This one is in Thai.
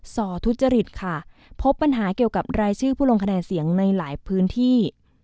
อทุจริตค่ะพบปัญหาเกี่ยวกับรายชื่อผู้ลงคะแนนเสียงในหลายพื้นที่